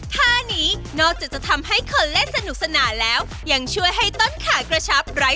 ท่านี้นอกจากจะทำให้คนเล่นสนุกสนานแล้วยังช่วยให้ต้นขากระชับไร้